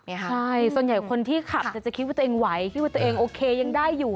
ใช่ส่วนใหญ่คนที่ขับจะคิดว่าตัวเองไหวคิดว่าตัวเองโอเคยังได้อยู่